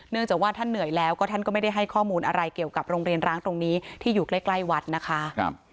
จากว่าท่านเหนื่อยแล้วก็ท่านก็ไม่ได้ให้ข้อมูลอะไรเกี่ยวกับโรงเรียนร้างตรงนี้ที่อยู่ใกล้วัดนะคะ